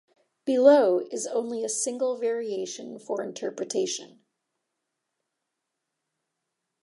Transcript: Below is only a single variation for interpretation.